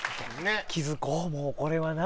気付こうもうこれはな！